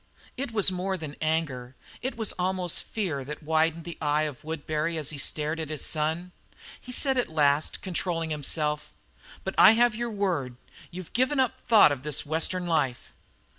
It was more than anger; it was almost fear that widened the eye of Woodbury as he stared at his son. He said at last, controlling himself: "But I have your word; you've given up the thought of this Western life?"